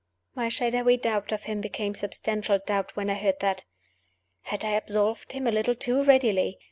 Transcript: My shadowy doubt of him became substantial doubt when I heard that. Had I absolved him a little too readily?